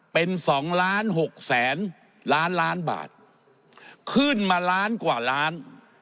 เป็นสองล้านหกแสนล้านล้านบาทขึ้นมาล้านกว่าล้าน